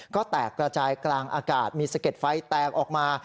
ก็แตกระจายกลางอากาศมีสะเด็ดไฟแตกออกมา